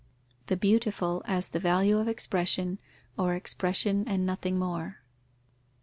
_The Beautiful as the value of expression, or expression and nothing more.